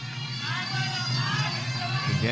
พยายามจะเกี่ยวไถล้ล้มลงไปครับ